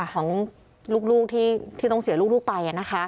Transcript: ของลูกที่ต้องเสียลูกไป